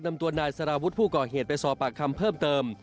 นำตัวนายสารวุฒิผู้ก่อเหตุไปสอบปากคำเพิ่มเติม